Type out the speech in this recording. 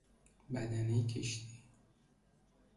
بدنهی کشتی